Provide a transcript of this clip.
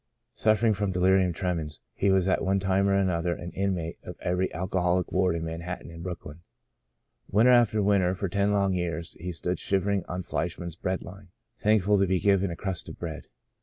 Suffering from delirium tremens he was at one time or another an inmate of every alcoholic ward in Manhattan and Brooklyn. Winter after winter for ten long years he stood shivering on Fleischman's bread line, thankful to be given a crust of bread.